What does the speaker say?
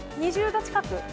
２０度近く？